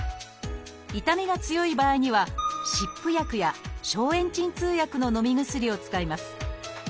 痛みが強い場合には湿布薬や消炎鎮痛薬の飲み薬を使います。